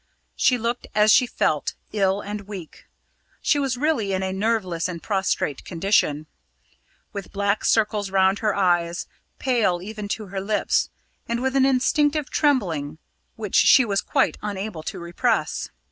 She looked, as she felt, ill and weak. She was really in a nerveless and prostrate condition, with black circles round her eyes, pale even to her lips, and with an instinctive trembling which she was quite unable to repress.